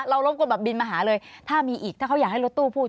รบกวนแบบบินมาหาเลยถ้ามีอีกถ้าเขาอยากให้รถตู้พูด